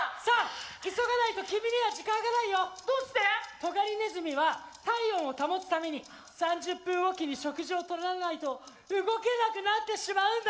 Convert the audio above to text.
トガリネズミは体温を保つために３０分おきに食事をとらないと動けなくなってしまうんだ！